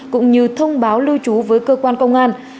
cũng như thông báo lưu trú với cơ quan công an